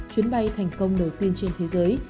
chuyến bay thành công đầu tiên trên thế giới